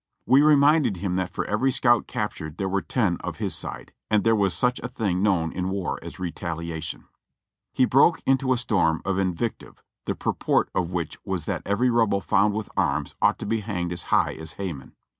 We reminded him that for every scout captured there were ten of his side ; and there was such a thing known in war as re taliation. He broke into a storm of invective, the purport of which was that every Rebel found with arms ought to be hanged as high as Haman.